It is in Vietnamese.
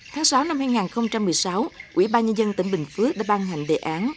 tháng sáu năm hai nghìn một mươi sáu quỹ ba nhân dân tỉnh bình phước đã ban hành đề án